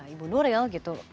ibu nuril gitu